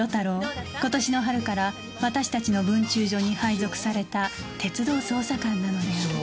今年の春から私達の分駐所に配属された鉄道捜査官なのである